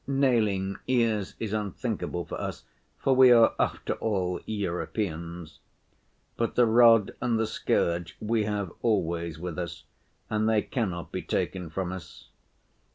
Nailing ears is unthinkable for us, for we are, after all, Europeans. But the rod and the scourge we have always with us and they cannot be taken from us.